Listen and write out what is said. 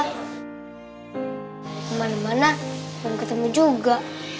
kemana mana belum ketemu juga